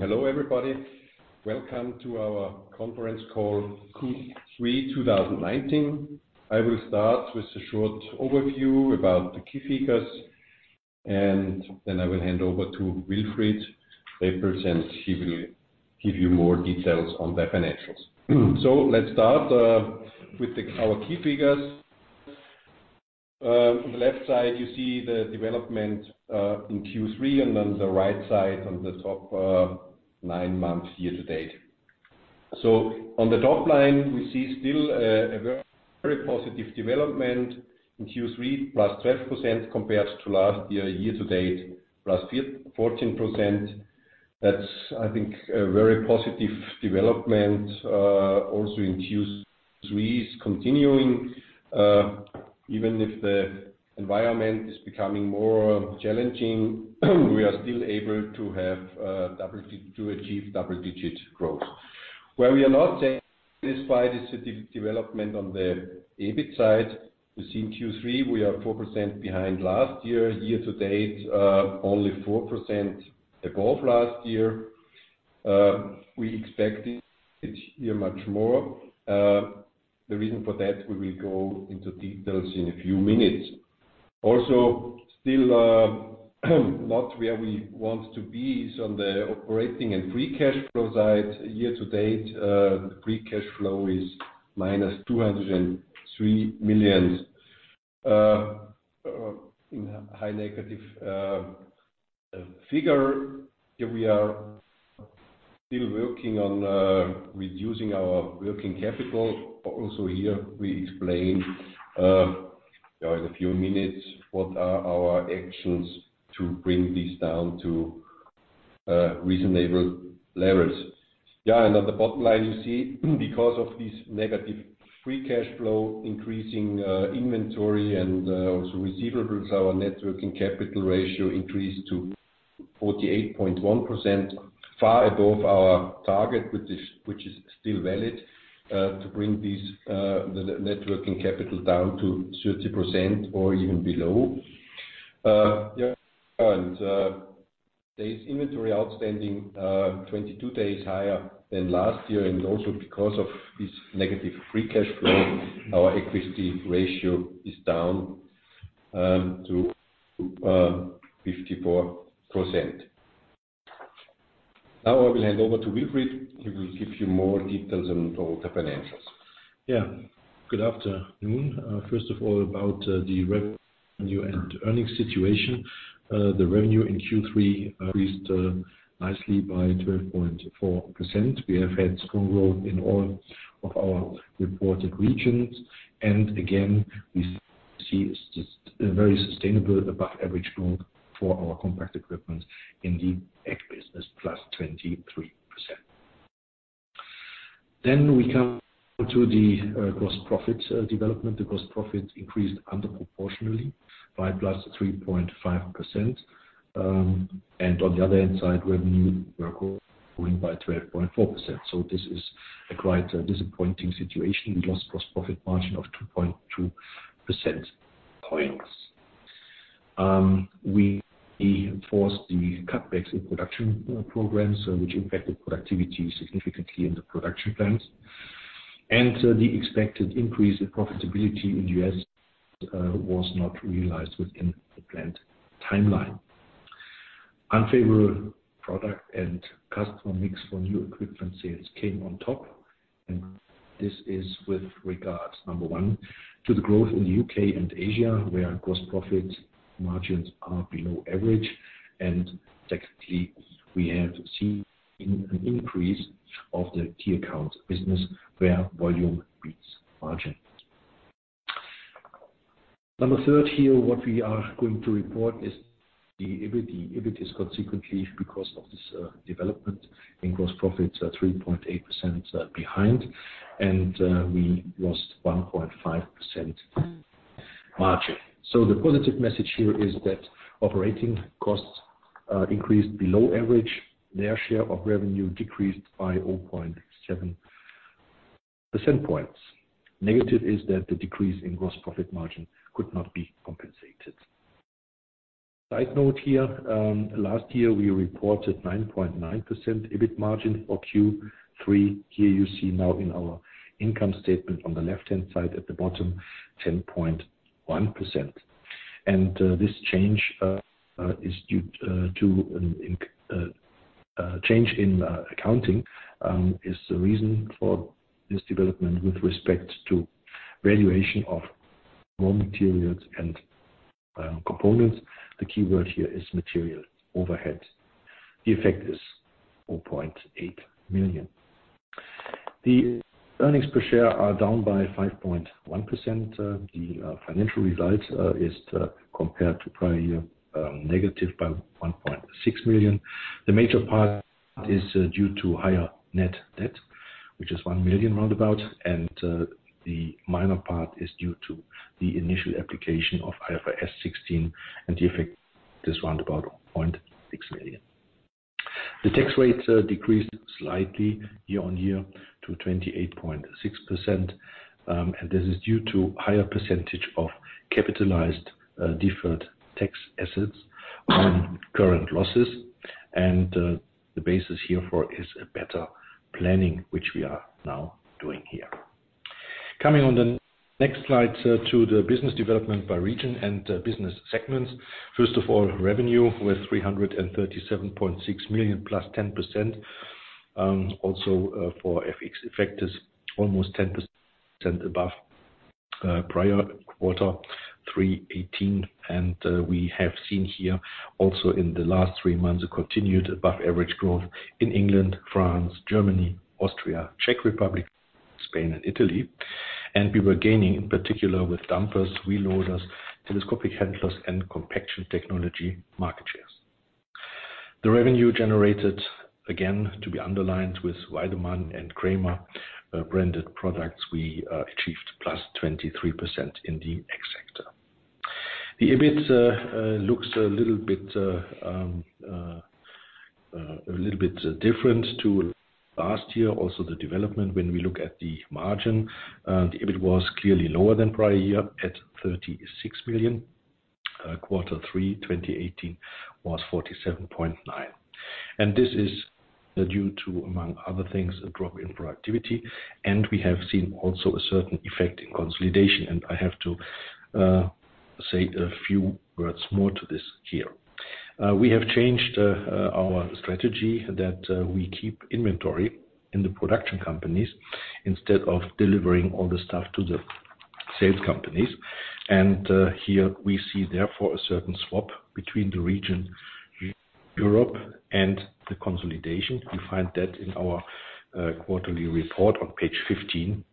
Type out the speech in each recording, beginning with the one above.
Hello everybody. Welcome to our conference call, Q3 2019. I will start with a short overview about the key figures. Then I will hand over to Wilfried Trepels. He will give you more details on the financials. Let's start with our key figures. On the left side, you see the development in Q3. On the right side, on the top 9 months year to date. On the top line, we see still a very positive development in Q3, +12% compared to last year to date, +14%. That's, I think, a very positive development. Also in Q3 is continuing, even if the environment is becoming more challenging, we are still able to achieve double-digit growth. Where we are not satisfied is the development on the EBIT side. We see in Q3 we are 4% behind last year. Year to date, only 4% above last year. We expected this year much more. The reason for that, we will go into details in a few minutes. Also, still not where we want to be is on the operating and free cash flow side. Year to date, free cash flow is -203 million, a high negative figure. Here we are still working on reducing our working capital. Also here we explain in a few minutes what are our actions to bring this down to reasonable levels. On the bottom line, you see because of this negative free cash flow, increasing inventory and also receivables, our net working capital ratio increased to 48.1%, far above our target, which is still valid, to bring these net working capital down to 30% or even below. Days inventory outstanding, 22 days higher than last year. Also because of this negative free cash flow, our equity ratio is down to 54%. Now I will hand over to Wilfried, who will give you more details on all the financials. Good afternoon. First of all, about the revenue and earnings situation. The revenue in Q3 increased nicely by 12.4%. We have had strong growth in all of our reported regions. Again, we see a very sustainable above average growth for our compact equipment in the ag business, +23%. We come to the gross profit development. The gross profit increased under proportionally by +3.5%. On the other hand side, revenue grew by 12.4%. This is a quite disappointing situation. We lost gross profit margin of 2.2 points. We enforced the cutbacks in production programs, which impacted productivity significantly in the production plants. The expected increase in profitability in the U.S. was not realized within the planned timeline. Unfavorable product and customer mix for new equipment sales came on top. This is with regards, number one, to the growth in the U.K. and Asia, where gross profit margins are below average. Secondly, we have seen an increase of the key account business where volume beats margin. Number third here, what we are going to report is the EBIT. The EBIT is consequently because of this development in gross profits, 3.8% behind. We lost 1.5% margin. The positive message here is that operating costs increased below average. Their share of revenue decreased by 0.7%. Negative is that the decrease in gross profit margin could not be compensated. Side note here, last year we reported 9.9% EBIT margin for Q3. Here you see now in our income statement on the left-hand side at the bottom, 10.1%. This change is due to a change in accounting, is the reason for this development with respect to valuation of raw materials and components. The key word here is material overhead. The effect is 4.8 million. The earnings per share are down by 5.1%. The financial result is compared to prior year, negative by 1.6 million. The major part is due to higher net debt, which is 1 million roundabout. The minor part is due to the initial application of IFRS 16, and the effect is roundabout 0.6 million. The tax rates decreased slightly year on year to 28.6%. This is due to higher percentage of capitalized deferred tax assets on current losses, and the basis here for is a better planning, which we are now doing here. Coming on the next slide to the business development by region and business segments. First of all, revenue was 337.6 million plus 10%. Also for FX effect is almost 10% above prior quarter three 2018. We have seen here also in the last three months, a continued above-average growth in England, France, Germany, Austria, Czech Republic, Spain, and Italy. We were gaining, in particular, with dumpers, wheel loaders, telehandlers, and compaction equipment market shares. The revenue generated, again, to be underlined with Weidemann and Kramer branded products, we achieved plus 23% in the ag sector. The EBIT looks a little bit different to last year. Also the development when we look at the margin, the EBIT was clearly lower than prior year at 36 million. Quarter three 2018 was 47.9 million. This is due to, among other things, a drop in productivity. We have seen also a certain effect in consolidation. I have to say a few words more to this here. We have changed our strategy that we keep inventory in the production companies instead of delivering all the stuff to the sales companies. Here we see, therefore, a certain swap between the region Europe and the consolidation. You find that in our quarterly report on page 15.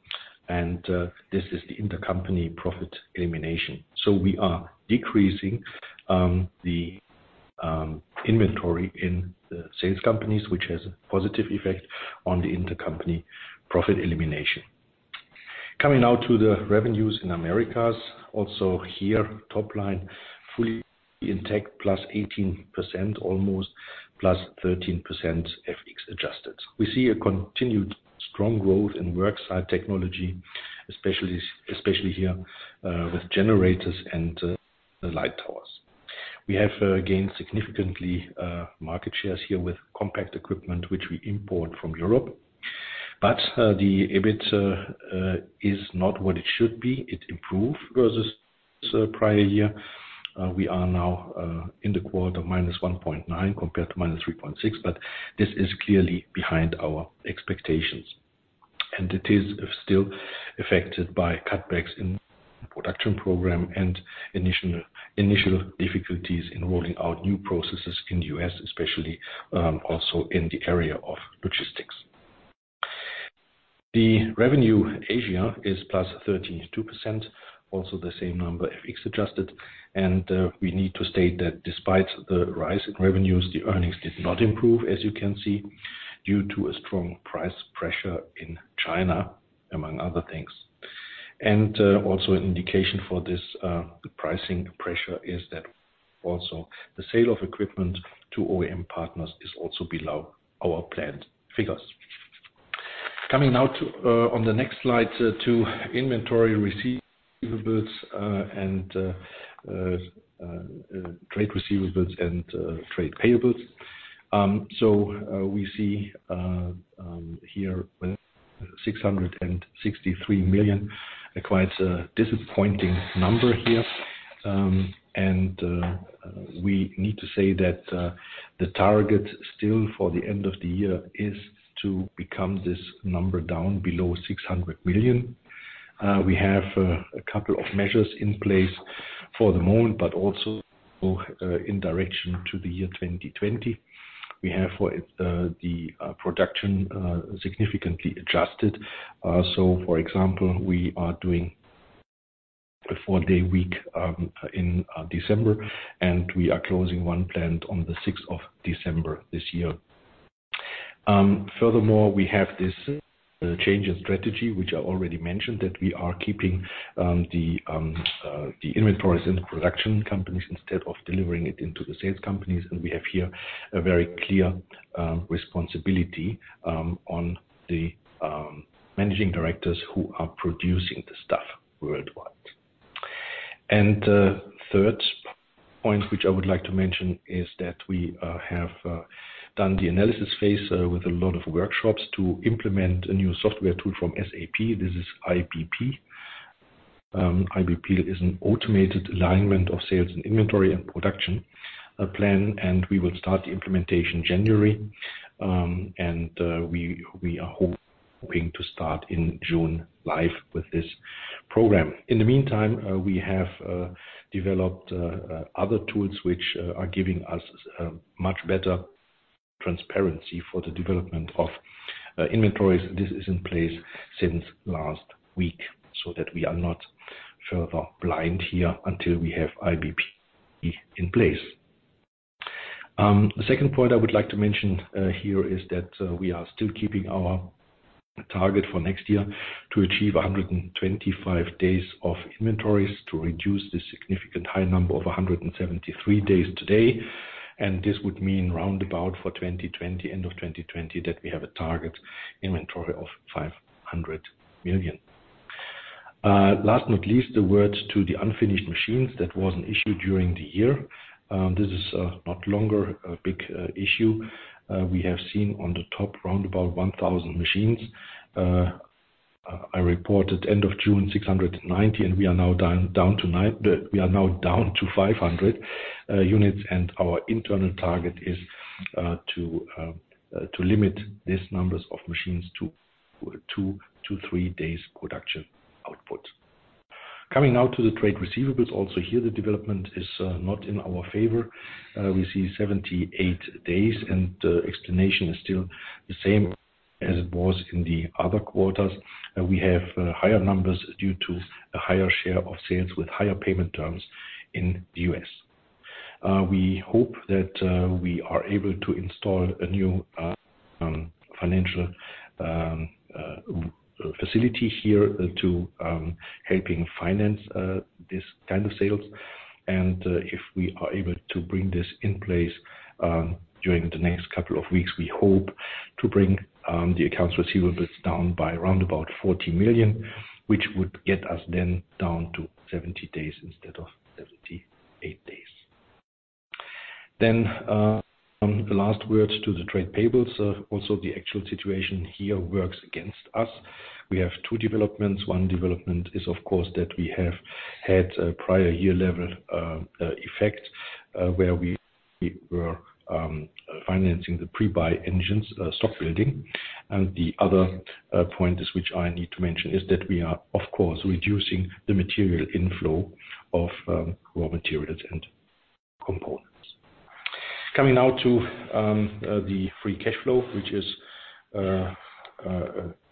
This is the intercompany profit elimination. We are decreasing the inventory in the sales companies, which has a positive effect on the intercompany profit elimination. Coming now to the revenues in Americas, also here top line fully intact, plus 18%, almost, plus 13% FX adjusted. We see a continued strong growth in worksite technology, especially here, with generators and light towers. We have gained significantly market shares here with compact equipment, which we import from Europe. The EBIT is not what it should be. It improved versus prior year. We are now in the quarter -1.9 compared to -3.6. This is clearly behind our expectations, and it is still affected by cutbacks in production program and initial difficulties in rolling out new processes in the U.S., especially also in the area of logistics. The revenue Asia is +32%, also the same number FX adjusted. We need to state that despite the rise in revenues, the earnings did not improve, as you can see, due to a strong price pressure in China, among other things. Also an indication for this pricing pressure is that also the sale of equipment to OEM partners is also below our planned figures. Coming now on the next slide to inventory receivables and trade receivables and trade payables. We see here 663 million, quite a disappointing number here. We need to say that the target still for the end of the year is to become this number down below 600 million. We have a couple of measures in place for the moment, but also in direction to the year 2020. We have the production significantly adjusted. For example, we are doing a four-day week in December, and we are closing one plant on the 6th of December this year. Furthermore, we have this change in strategy, which I already mentioned, that we are keeping the inventories in the production companies instead of delivering it into the sales companies. We have here a very clear responsibility on the managing directors who are producing the stuff worldwide. Third point, which I would like to mention, is that we have done the analysis phase with a lot of workshops to implement a new software tool from SAP. This is IBP. IBP is an automated alignment of sales and inventory and production plan. We will start the implementation January, and we are hoping to start in June live with this program. In the meantime, we have developed other tools which are giving us much better transparency for the development of inventories. This is in place since last week, so that we are not further blind here until we have IBP in place. The second point I would like to mention here is that we are still keeping our target for next year to achieve 125 days of inventories to reduce the significant high number of 173 days today. This would mean roundabout for end of 2020, that we have a target inventory of 500 million. Last not least, the words to the unfinished machines that was an issue during the year. This is no longer a big issue. We have seen on the top roundabout 1,000 machines. I reported end of June 690. We are now down to 500 units, and our internal target is to limit these numbers of machines to 2 to 3 days production output. Coming now to the trade receivables. Also here, the development is not in our favor. We see 78 days. The explanation is still the same as it was in the other quarters. We have higher numbers due to a higher share of sales with higher payment terms in the U.S. We hope that we are able to install a new financial facility here to helping finance this kind of sales. If we are able to bring this in place during the next couple of weeks, we hope to bring the accounts receivables down by around about 40 million, which would get us then down to 70 days instead of 78 days. The last word to the trade payables. Also, the actual situation here works against us. We have two developments. One development is, of course, that we have had a prior year-level effect, where we were financing the pre-buy engines stock building. The other point is, which I need to mention, is that we are, of course, reducing the material inflow of raw materials and components. Coming now to the free cash flow, which is a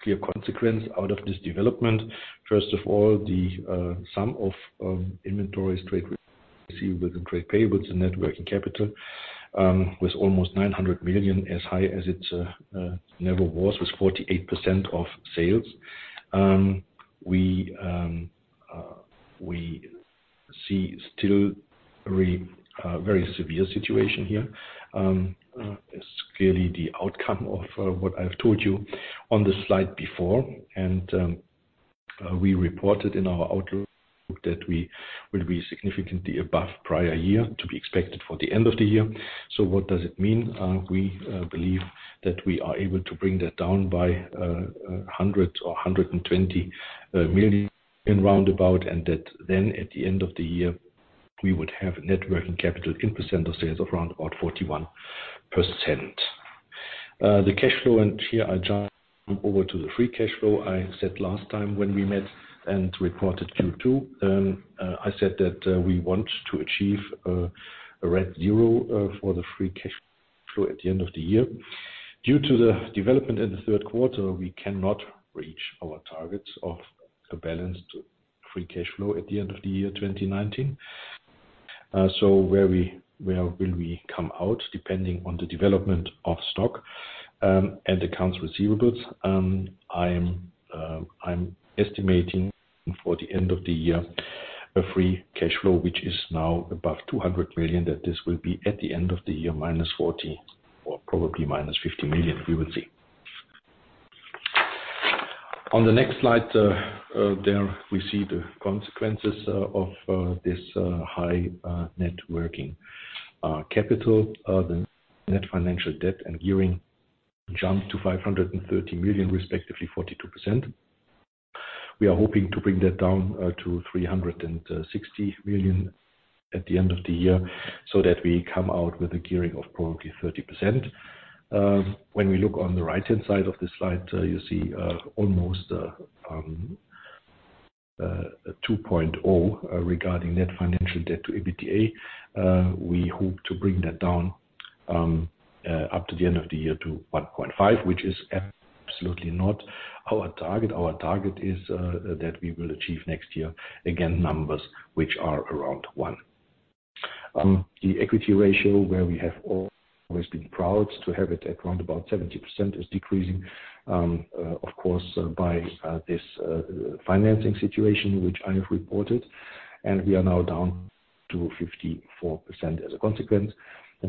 clear consequence out of this development. First of all, the sum of inventories, trade receivables, and trade payables and net working capital was almost 900 million, as high as it never was 48% of sales. We see still a very severe situation here. It is clearly the outcome of what I have told you on the slide before, and we reported in our outlook that we will be significantly above prior year to be expected for the end of the year. What does it mean? We believe that we are able to bring that down by 100 million or 120 million roundabout, and that then at the end of the year, we would have net working capital in percent of sales of around about 41%. The cash flow, and here I jump over to the free cash flow. I said last time when we met and reported Q2, I said that we want to achieve a red zero for the free cash flow at the end of the year. Due to the development in the third quarter, we cannot reach our targets of a balanced free cash flow at the end of the year 2019. Where will we come out? Depending on the development of stock and accounts receivables, I am estimating for the end of the year a free cash flow which is now above 200 million, that this will be at the end of the year minus 40 million or probably minus 50 million. We will see. On the next slide, there we see the consequences of this high net working capital. The net financial debt and gearing jump to 530 million, respectively 42%. We are hoping to bring that down to 360 million at the end of the year so that we come out with a gearing of probably 30%. When we look on the right-hand side of the slide, you see almost 2.0 regarding net financial debt to EBITDA. We hope to bring that down up to the end of the year to 1.5, which is absolutely not our target. Our target is that we will achieve next year, again, numbers which are around one. The equity ratio, where we have always been proud to have it at around about 70%, is decreasing, of course, by this financing situation which I have reported, and we are now down to 54% as a consequence.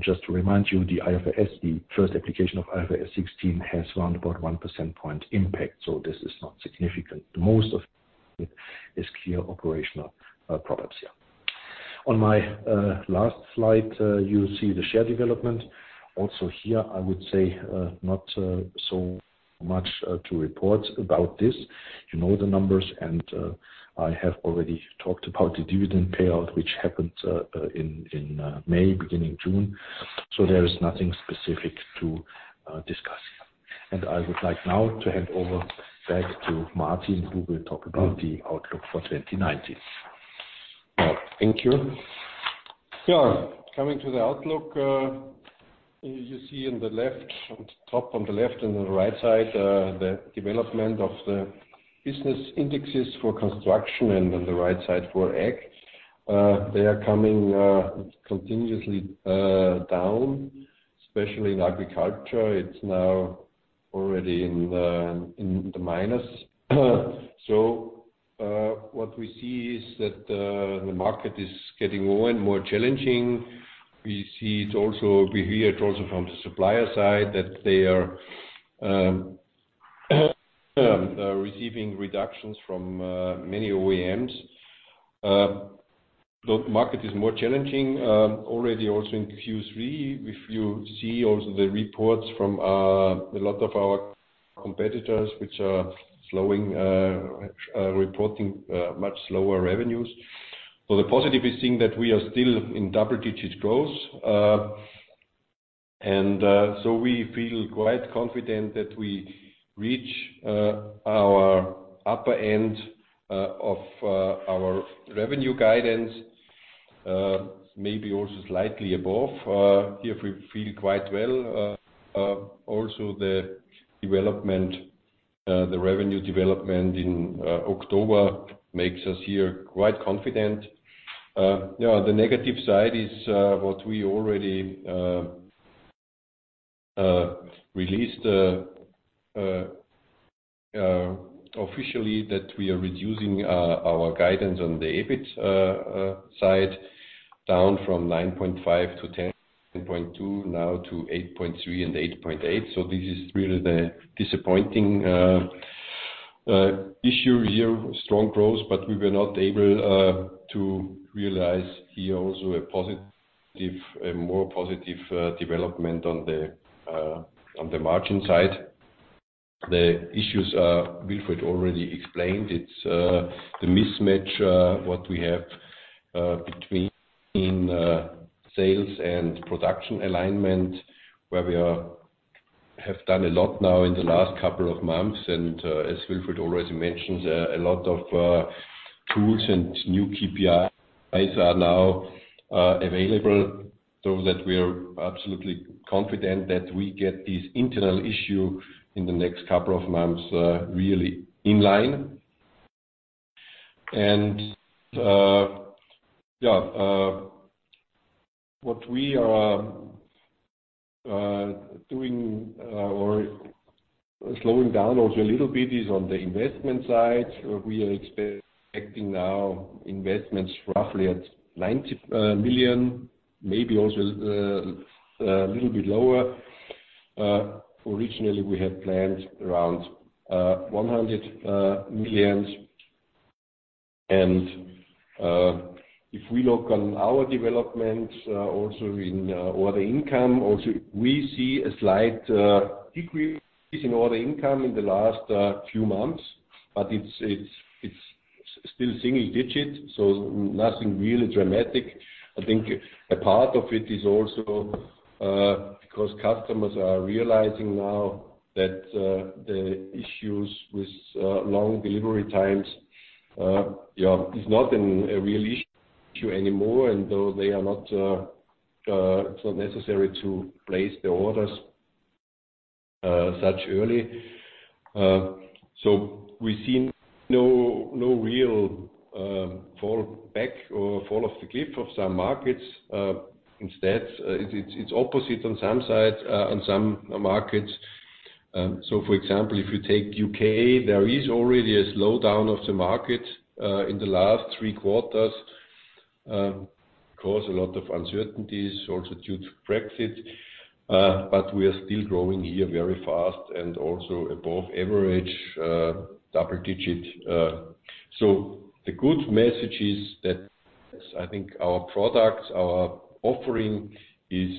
Just to remind you, the IFRS, the first application of IFRS 16 has around about one percentage point impact, so this is not significant. Here, I would say not so much to report about this. You know the numbers. I have already talked about the dividend payout, which happened in May, beginning June. There is nothing specific to discuss here. I would like now to hand over back to Martin, who will talk about the outlook for 2019. Thank you. Coming to the outlook, you see on top on the left and the right side, the development of the business indexes for construction and on the right side for Ag. They are coming continuously down, especially in agriculture. It's now already in the minus. What we see is that the market is getting more and more challenging. We hear it also from the supplier side that they are receiving reductions from many OEMs. The market is more challenging already also in Q3. If you see also the reports from a lot of our competitors, which are reporting much lower revenues. The positive is seeing that we are still in double-digit growth. We feel quite confident that we reach our upper end of our revenue guidance, maybe also slightly above. Here we feel quite well. The revenue development in October makes us here quite confident. The negative side is what we already released officially, that we are reducing our guidance on the EBIT side down from 9.5 to 10.2, now to 8.3 and 8.8. This is really the disappointing issue here. Strong growth. We were not able to realize here also a more positive development on the margin side. The issues Wilfried already explained. It's the mismatch what we have between sales and production alignment, where we have done a lot now in the last couple of months. As Wilfried already mentioned, a lot of tools and new KPIs are now available so that we are absolutely confident that we get this internal issue in the next couple of months really in line. What we are doing or slowing down also a little bit is on the investment side. We are expecting now investments roughly at 90 million, maybe also a little bit lower. Originally, we had planned around 100 million. If we look on our development also in order income also, we see a slight decrease in order income in the last few months, but it's still single digit, so nothing really dramatic. I think a part of it is also because customers are realizing now that the issues with long delivery times is not a real issue anymore. It's not necessary to place their orders such early. We see no real fall back or fall off the cliff of some markets. Instead, it's opposite on some markets. For example, if you take U.K., there is already a slowdown of the market in the last three quarters. Of course, a lot of uncertainties also due to Brexit, we are still growing here very fast and also above average double-digit. The good message is that I think our product, our offering is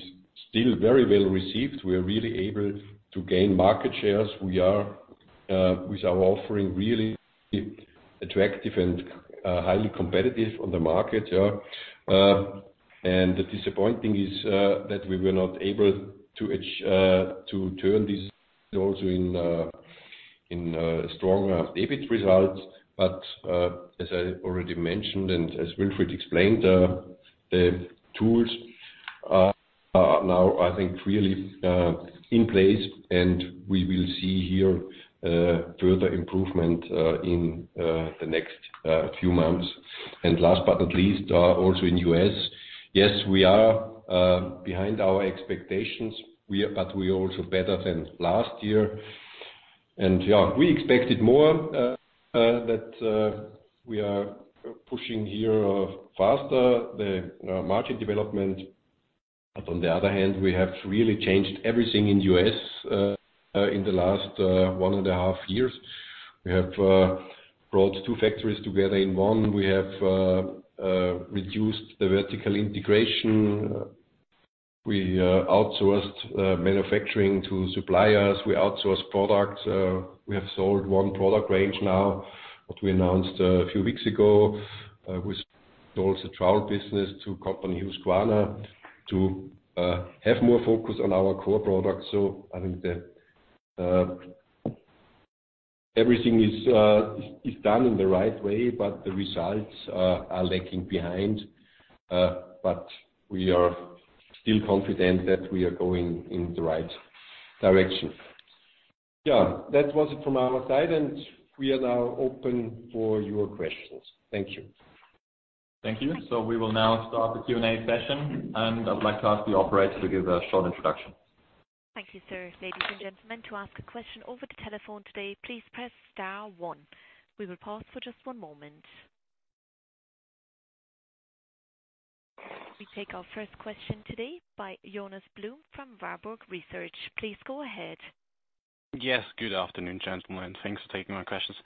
still very well received. We are really able to gain market shares. We are, with our offering, really attractive and highly competitive on the market. The disappointing is that we were not able to turn this also in a stronger EBIT result. As I already mentioned, and as Wilfried explained, the tools are now, I think, really in place, and we will see here further improvement in the next few months. Last but not least, also in U.S. Yes, we are behind our expectations, but we are also better than last year. We expected more, that we are pushing here faster the market development. On the other hand, we have really changed everything in U.S. in the last one and a half years. We have brought two factories together in one. We have reduced the vertical integration. We outsourced manufacturing to suppliers. We outsource products. We have sold one product range now, what we announced a few weeks ago. We sold the trowel business to a company, Husqvarna, to have more focus on our core products. I think that everything is done in the right way, but the results are lacking behind. We are still confident that we are going in the right direction. That was it from our side, and we are now open for your questions. Thank you. Thank you. We will now start the Q&A session, and I would like to ask the operator to give a short introduction. Thank you, sir. Ladies and gentlemen, to ask a question over the telephone today, please press star one. We will pause for just one moment. We take our first question today by Jonas Blum from Warburg Research. Please go ahead. Yes, good afternoon, gentlemen, and thanks for taking my questions.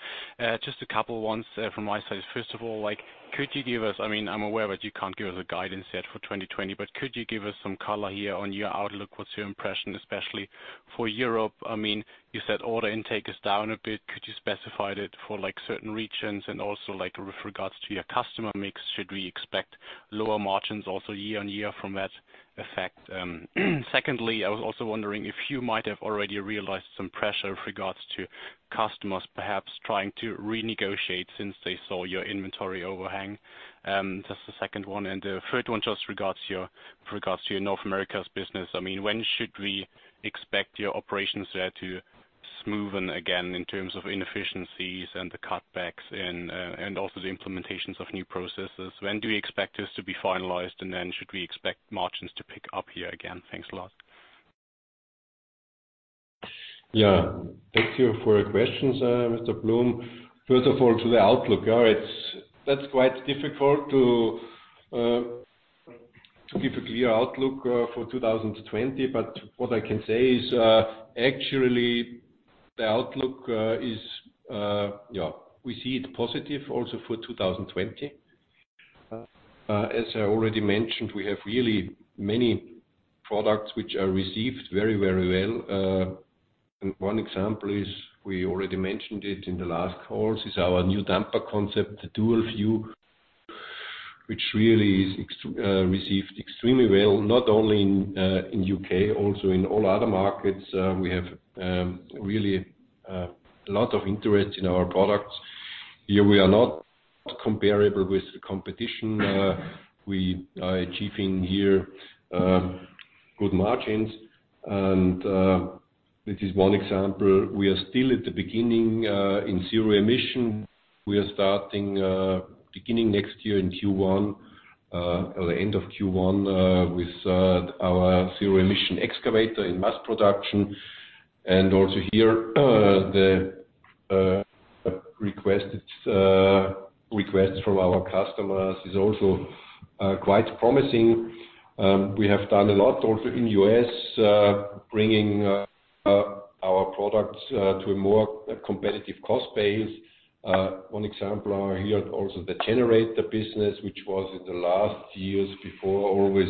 Just a couple ones from my side. First of all, I'm aware that you can't give us a guidance yet for 2020, but could you give us some color here on your outlook? What's your impression, especially for Europe? You said order intake is down a bit. Could you specify it for certain regions and also with regards to your customer mix, should we expect lower margins also year-over-year from that effect? Secondly, I was also wondering if you might have already realized some pressure with regards to customers, perhaps trying to renegotiate since they saw your inventory overhang. That's the second one. The third one just regards your North Americas business. When should we expect your operations there to smoothen again in terms of inefficiencies and the cutbacks and also the implementations of new processes? When do you expect this to be finalized? Should we expect margins to pick up here again? Thanks a lot. Thank you for your questions, Mr. Blum. First of all, to the outlook. That's quite difficult to give a clear outlook for 2020. What I can say is, actually the outlook, we see it positive also for 2020. As I already mentioned, we have really many products which are received very well. One example is, we already mentioned it in the last calls, is our new dumper concept, the Dual View, which really is received extremely well, not only in U.K., also in all other markets. We have really a lot of interest in our products. Here we are not comparable with the competition. We are achieving here good margins, and this is one example. We are still at the beginning in zero emission. We are beginning next year in Q1, or the end of Q1, with our zero emission excavator in mass production. Also here, the requests from our customers is also quite promising. We have done a lot also in U.S., bringing our products to a more competitive cost base. One example here also, the generator business, which was in the last years before always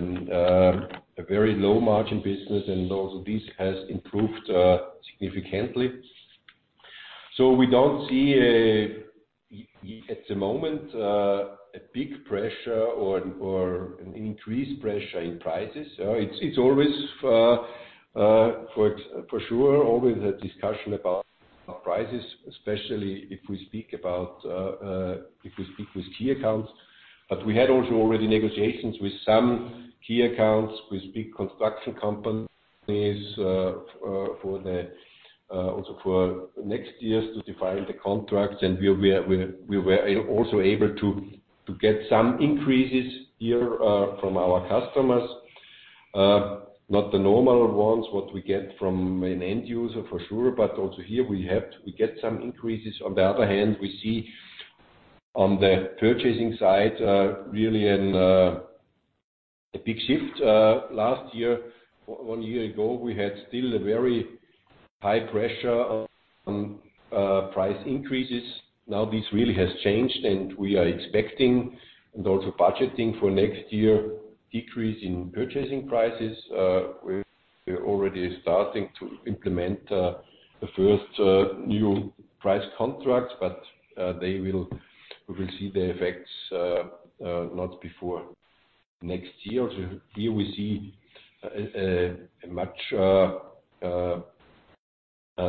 a very low margin business and also this has improved significantly. We don't see at the moment a big pressure or an increased pressure in prices. It's always for sure a discussion about prices, especially if we speak with key accounts. We had also already negotiations with some key accounts, with big construction companies, also for next year to define the contracts. We were also able to get some increases here from our customers. Not the normal ones, what we get from an end user for sure, but also here we get some increases. On the other hand, we see on the purchasing side, really a big shift. Last year, one year ago, we had still a very high pressure on price increases. Now this really has changed. We are expecting and also budgeting for next year decrease in purchasing prices. We are already starting to implement the first new price contracts, but we will see the effects not before next year. Here we see a much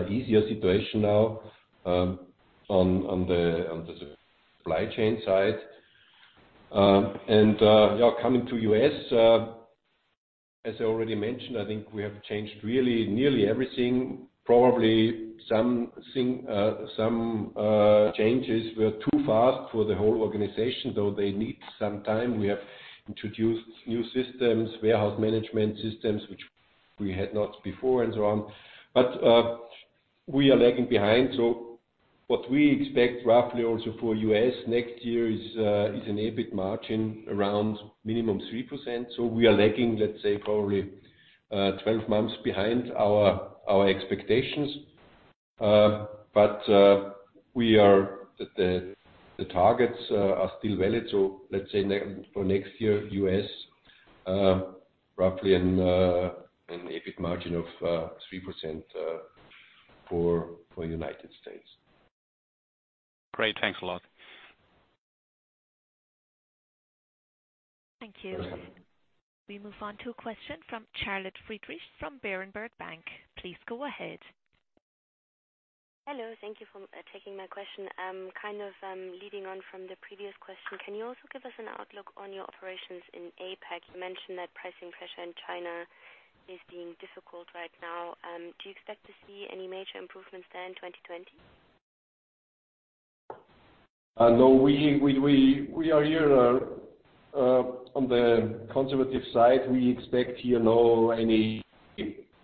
easier situation now on the supply chain side. Coming to U.S., as I already mentioned, I think we have changed really nearly everything. Probably some changes were too fast for the whole organization, though they need some time. We have introduced new systems, warehouse management systems, which we had not before and so on, but we are lagging behind. What we expect roughly also for U.S. next year is an EBIT margin around minimum 3%. We are lagging, let's say probably 12 months behind our expectations. The targets are still valid. Let's say for next year, U.S., roughly an EBIT margin of 3% for United States. Great. Thanks a lot. Thank you. We move on to a question from Charlotte Friedrichs from Berenberg Bank. Please go ahead. Hello. Thank you for taking my question. Kind of leading on from the previous question, can you also give us an outlook on your operations in APAC? You mentioned that pricing pressure in China is being difficult right now. Do you expect to see any major improvements there in 2020? No, we are here on the conservative side. We expect here no any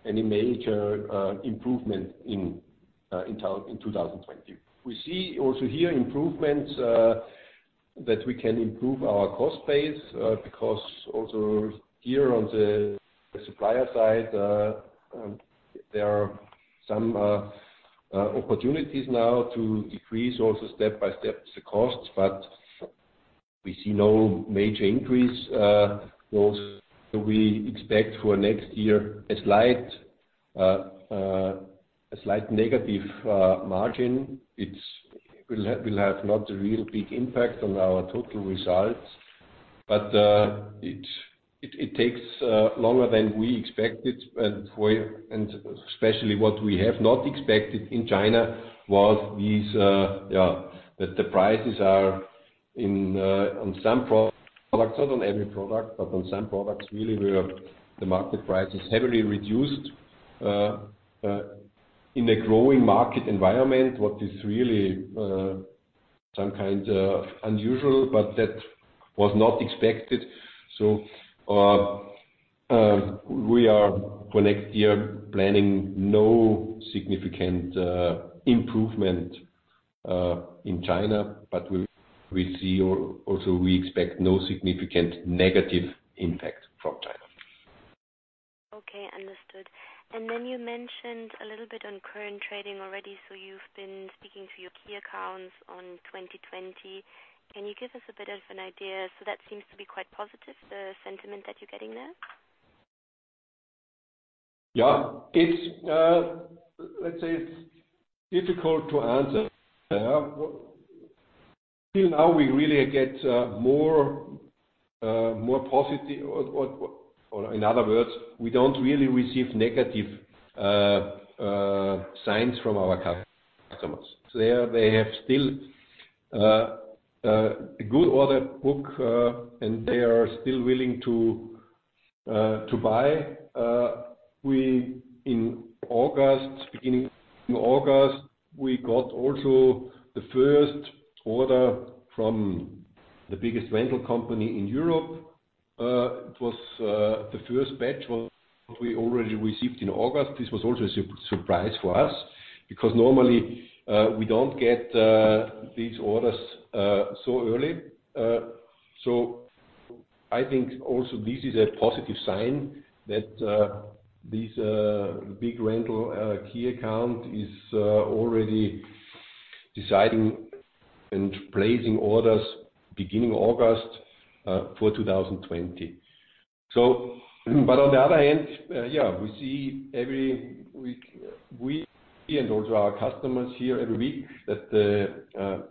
major improvement in APAC in 2020. We see also here improvements, that we can improve our cost base, because also here on the supplier side, there are some opportunities now to decrease also step by step the costs, but we see no major increase. We expect for next year a slight negative margin. It will have not a real big impact on our total results. It takes longer than we expected, and especially what we have not expected in China was that the prices are on some products, not on every product, but on some products really where the market price is heavily reduced in a growing market environment, what is really some kind of unusual, but that was not expected. We are for next year planning no significant improvement in China, but we'll see. Also, we expect no significant negative impact from China. Okay, understood. You mentioned a little bit on current trading already. You've been speaking to your key accounts on 2020. Can you give us a bit of an idea? That seems to be quite positive, the sentiment that you're getting there. Let's say it's difficult to answer. Till now we really get more positive, or in other words, we don't really receive negative signs from our customers. They have still a good order book, and they are still willing to buy. In August, we got also the first order from the biggest rental company in Europe. It was the first batch what we already received in August. This was also a surprise for us because normally, we don't get these orders so early. I think also this is a positive sign that this big rental key account is already deciding and placing orders beginning August for 2020. On the other hand, we see every week, we and also our customers here every week, that the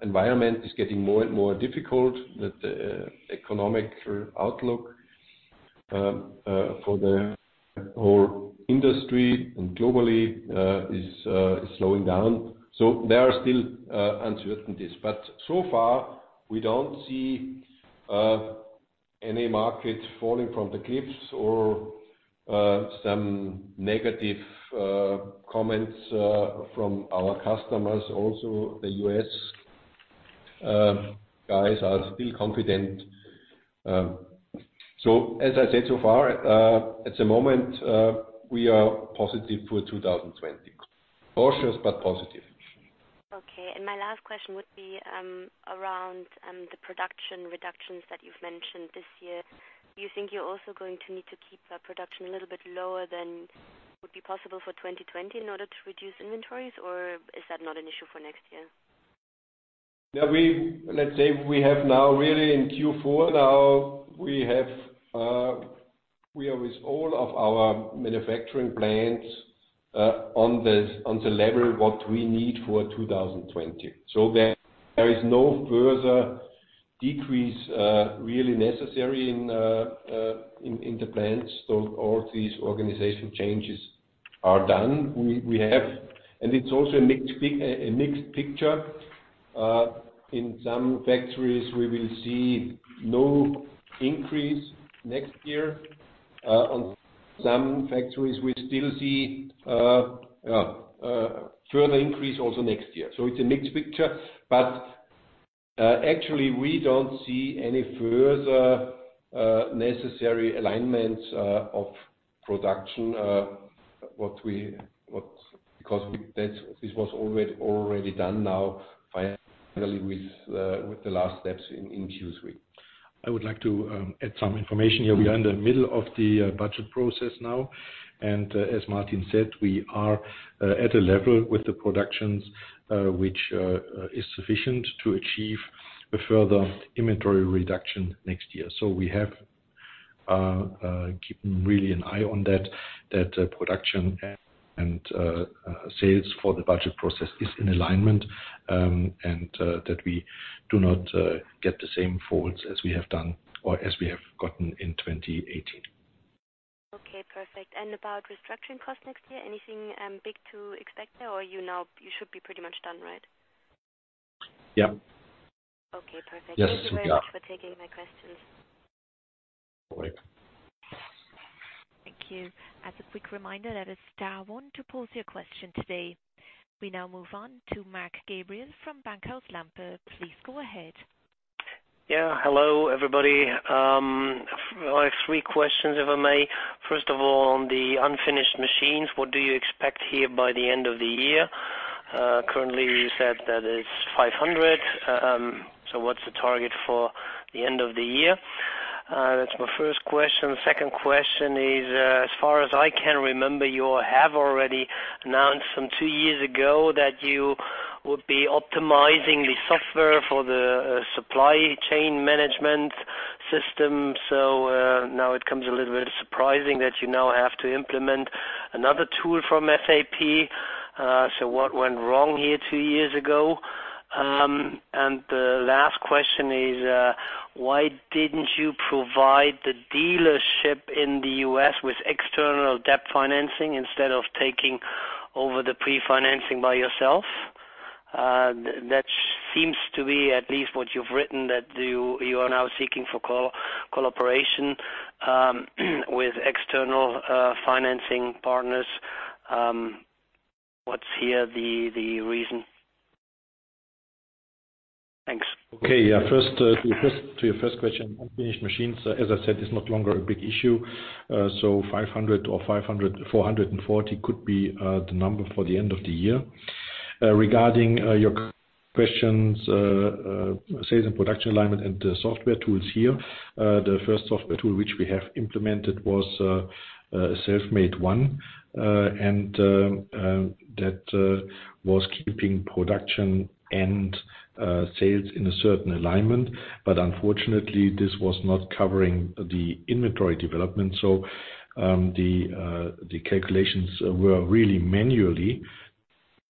environment is getting more and more difficult, that the economic outlook for the whole industry and globally is slowing down. There are still uncertainties. So far, we don't see any market falling from the cliffs or some negative comments from our customers. Also, the U.S. guys are still confident. As I said, so far, at the moment, we are positive for 2020. Cautious but positive. Okay, my last question would be around the production reductions that you've mentioned this year. Do you think you're also going to need to keep production a little bit lower than would be possible for 2020 in order to reduce inventories, or is that not an issue for next year? Let's say we have now really in Q4 now, we are with all of our manufacturing plants on the level, what we need for 2020. There is no further decrease really necessary in the plants. All these organizational changes are done. It's also a mixed picture. In some factories, we will see no increase next year. On some factories, we still see a further increase also next year. It's a mixed picture, but actually, we don't see any further necessary alignment of production, because this was already done now finally with the last steps in Q3. I would like to add some information here. We are in the middle of the budget process now. As Martin said, we are at a level with the productions which is sufficient to achieve a further inventory reduction next year. We have keep really an eye on that production and sales for the budget process is in alignment, and that we do not get the same faults as we have done or as we have gotten in 2018. Okay, perfect. About restructuring costs next year, anything big to expect there, or you should be pretty much done, right? Yeah. Okay, perfect. Yes. Thank you so very much for taking my questions. No worry. Thank you. As a quick reminder, that is star one to pose your question today. We now move on to Mark Gabriel from Bankhaus Lampe. Please go ahead. Yeah. Hello, everybody. I have three questions, if I may. First of all, on the unfinished machines, what do you expect here by the end of the year? Currently, you said that it's 500. What's the target for the end of the year? That's my first question. The second question is, as far as I can remember, you have already announced some two years ago that you would be optimizing the software for the supply chain management system. Now it comes a little bit surprising that you now have to implement another tool from SAP. What went wrong here two years ago? The last question is, why didn't you provide the dealership in the U.S. with external debt financing instead of taking over the pre-financing by yourself? That seems to be at least what you've written, that you are now seeking for collaboration with external financing partners. What's here the reason? Thanks. Okay. To your first question, unfinished machines, as I said, is no longer a big issue. 500 or 440 could be the number for the end of the year. Regarding your questions, sales and production alignment and the software tools here. The first software tool which we have implemented was a self-made one, and that was keeping production and sales in a certain alignment. Unfortunately, this was not covering the inventory development, so the calculations were really manually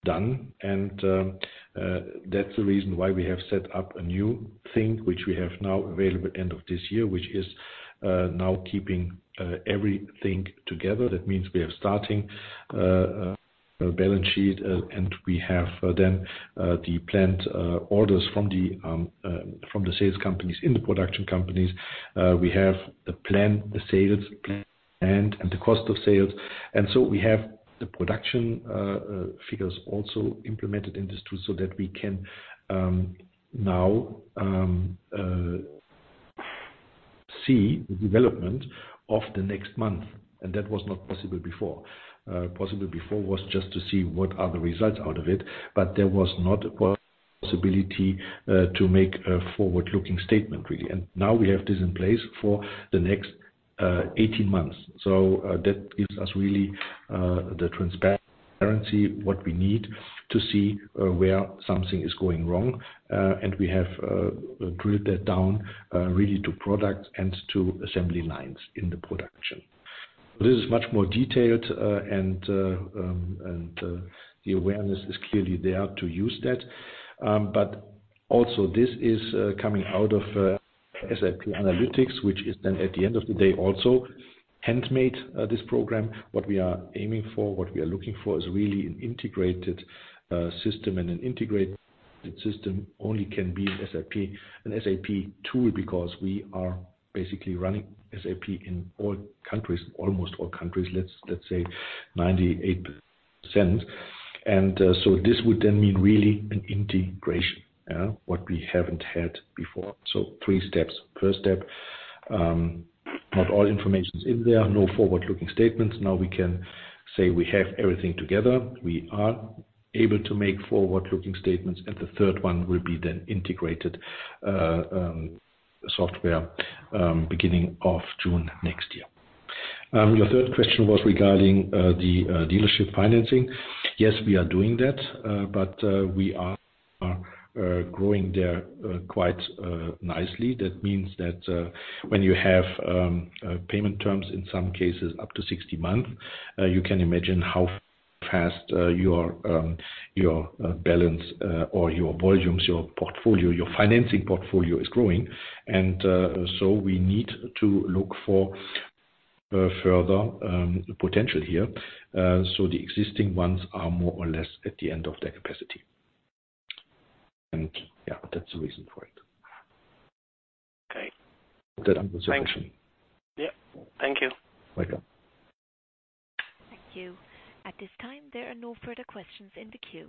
done. That's the reason why we have set up a new thing, which we have now available end of this year, which is now keeping everything together. That means we are starting a balance sheet, and we have then the planned orders from the sales companies in the production companies. We have the plan, the sales plan, and the cost of sales. We have the production figures also implemented in this tool so that we can now see the development of the next month. That was not possible before. Possible before was just to see what are the results out of it, but there was not possibility to make a forward-looking statement, really. Now we have this in place for the next 18 months. That gives us really the transparency, what we need to see where something is going wrong. We have drilled that down really to product and to assembly lines in the production. This is much more detailed, and the awareness is clearly there to use that. Also this is coming out of SAP Analytics, which is then at the end of the day, also handmade this program. What we are aiming for, what we are looking for is really an integrated system, and an integrated system only can be an SAP tool because we are basically running SAP in all countries, almost all countries, let's say 98%. This would then mean really an integration, what we haven't had before. Three steps. First step, not all information is in there, no forward-looking statements. Now we can say we have everything together. We are able to make forward-looking statements, and the third one will be then integrated software beginning of June next year. Your third question was regarding the dealership financing. Yes, we are doing that, but we are growing there quite nicely. That means that when you have payment terms, in some cases up to 60 months, you can imagine how fast your balance or your volumes, your portfolio, your financing portfolio is growing. We need to look for further potential here. The existing ones are more or less at the end of their capacity. Yeah, that's the reason for it. Okay. That answers your question. Yeah. Thank you. Welcome. Thank you. At this time, there are no further questions in the queue.